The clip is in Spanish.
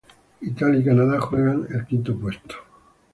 Italia y Canadá juegan el quinto puesto.